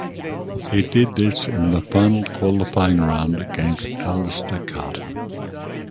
He did this in the final qualifying round against Allister Carter.